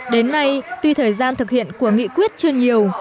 đến nay tuy thời gian thực hiện của nghị quyết chưa nhiều